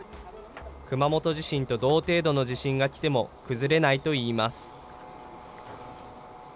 熊本地震と同程度の地震が来ても崩れないといいます。